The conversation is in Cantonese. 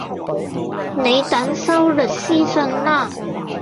你等收律師信啦